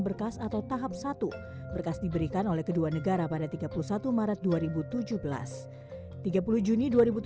berkas atau tahap satu berkas diberikan oleh kedua negara pada tiga puluh satu maret dua ribu tujuh belas tiga puluh juni dua ribu tujuh belas